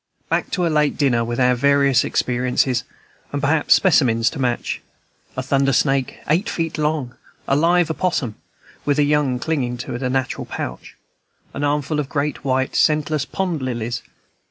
Back to a late dinner with our various experiences, and perhaps specimens to match, a thunder snake, eight feet long; a live opossum, with a young clinging to the natural pouch; an armful of great white, scentless pond lilies.